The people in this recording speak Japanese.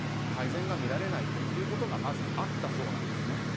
改善が見られないということがまずあったそうなんです。